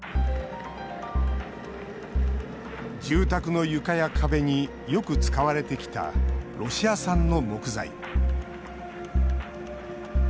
住宅の床や壁によく使われてきたロシア産の木材。